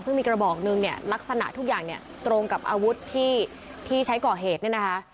ซึ่งมีกระบอกนึงเนี่ยลักษณะทุกอย่างเนี่ยตรงกับอาวุธที่ใช้ก่อเหตุเนี่ยนะคะ